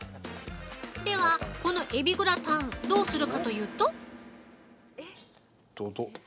では、このエビグラタン、どうするかというと？